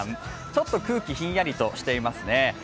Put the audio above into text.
ちょっと空気、ひんやりとしていますね。